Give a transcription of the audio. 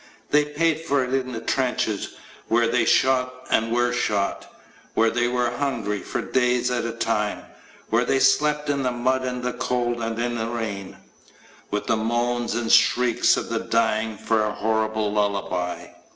The paid for it in the trenches where they shot and were shot; where they were hungry for days at a time; where they slept in the mud and the cold and in the rain with the moans and shrieks of the dying for a horrible lullaby.